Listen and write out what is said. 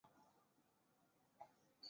中共第十六届中央候补委员。